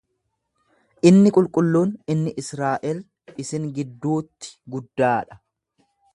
Inni qulqulluun inni Israa'el isin gidduutti guddaa dha.